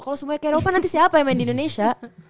kalau semuanya ke eropa nanti siapa yang main di indonesia